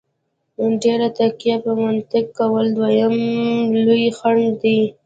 ډېره تکیه په منطق کول دویم لوی خنډ دی.